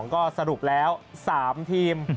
ก็สรุปแล้ว๓ทีม